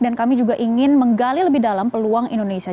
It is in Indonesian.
dan kami juga ingin menggali lebih dalam peluang indonesia